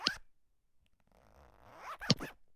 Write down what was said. دا ددې چیني برکت دی پسه یې ساتلی دی.